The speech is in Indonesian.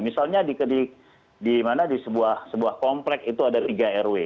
misalnya di sebuah komplek itu ada tiga rw